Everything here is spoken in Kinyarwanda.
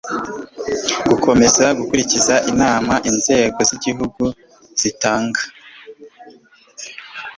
gukomeza gukurikiza inama inzego z'igihugu zitanga